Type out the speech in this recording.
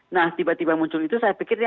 nah tiba tiba muncul itu saya pikir